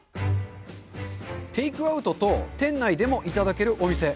テークアウトと店内でもいただけるお店。